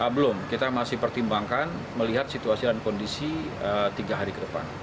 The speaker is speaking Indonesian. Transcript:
belum kita masih pertimbangkan melihat situasi dan kondisi tiga hari ke depan